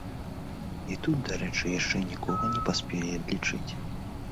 І тут, дарэчы, яшчэ нікога не паспелі адлічыць.